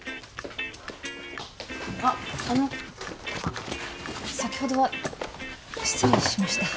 あっあの先ほどは失礼しました。